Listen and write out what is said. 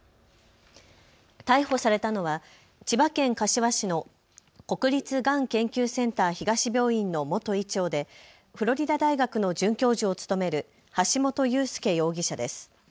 逮捕されたのは千葉県柏市の国立がん研究センター東病院の元医長でフロリダ大学の准教授を務める橋本裕輔容疑者です。